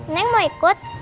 neng mau ikut